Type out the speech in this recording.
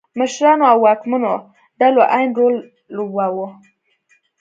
مشرانو او واکمنو ډلو عین رول لوباوه.